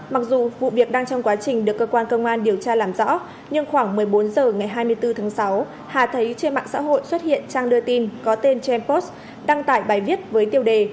mặc dù vụ việc đang trong quá trình được cơ quan công an điều tra làm rõ nhưng khoảng một mươi bốn h ngày hai mươi bốn tháng sáu hà thấy trên mạng xã hội xuất hiện trang đưa tin có tên jampost đăng tải bài viết với tiêu đề